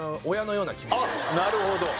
なるほど。